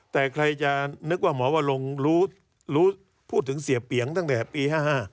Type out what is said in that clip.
แต่ใครจะนึกว่าหมอวะลงรู้พูดถึงเสียเปียงตั้งแต่ปี๕๕